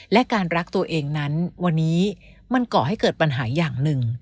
และการรักตัวเองนั้นวันนี้มันก่อให้เกิดปัญหาอย่างหนึ่ง